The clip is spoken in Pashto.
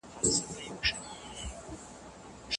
د نورو د کرامت ساتل د هر مسلمان اخلاقي وجيبه ده.